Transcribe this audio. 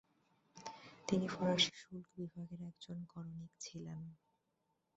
তিনি ফরাসি শুল্ক বিভাগের একজন করণিক ছিলেন।